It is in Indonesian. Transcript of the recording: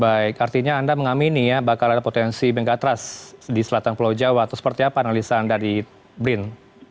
baik artinya anda mengamini ya bakal ada potensi bengkatras di selatan pulau jawa atau seperti apa analisa anda di brin